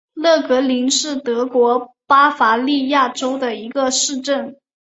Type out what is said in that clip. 勒格灵是德国巴伐利亚州的一个市镇。